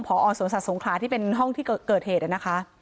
พอสวนสัตว์สงขลาที่เป็นห้องที่เกิดเหตุนะคะ